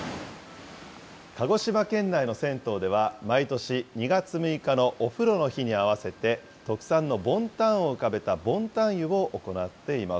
鹿児島県内の銭湯では、毎年２月６日のお風呂の日に合わせて、特産のボンタンを浮かべたボンタン湯を行っています。